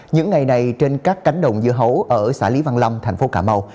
những ngày này trên các cánh đồng dưa hấu ở xã lý văn long thành phố cà mau